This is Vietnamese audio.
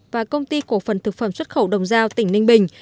và công ty cổ phần thực phẩm xuất khẩu đồng giao tỉnh ninh bình